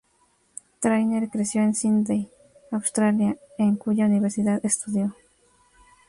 Trainer creció en Sydney, Australia, en cuya universidad estudió.